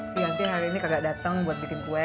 sial tih hari ini kagak dateng buat bikin kue